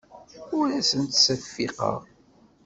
Ur asen-ttseffiqeɣ.